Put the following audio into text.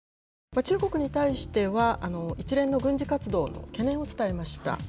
中国に対しては、一連の軍事活動の懸念を伝えました。